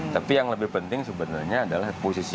tapi yang lebih penting sebenarnya adalah posisi